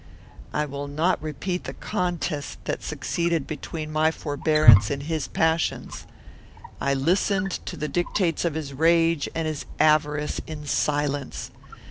I will not repeat the contest that succeeded between my forbearance and his passions. I listened to the dictates of his rage and his avarice in silence.